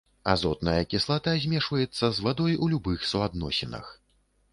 Азотная кіслата змешваецца з вадой у любых суадносінах.